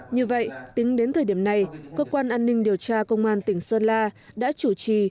như vậy tính đến thời điểm này cơ quan an ninh điều tra công an tỉnh sơn la đã chủ trì